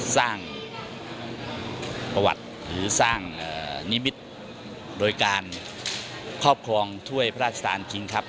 สร้างประวัติหรือสร้างนิมิตรโดยการครอบครองถ้วยพระราชทานคิงครับ